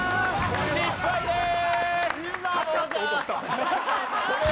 失敗でーす。